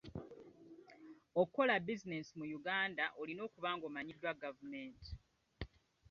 Okukola bizinensi mu Uganda, olina okuba ng'omanyiddwa gavumenti.